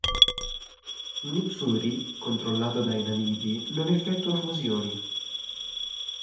Nick Fury controllato dai naniti, non effettua fusioni.